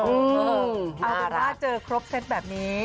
เอาเป็นว่าเจอครบเซตแบบนี้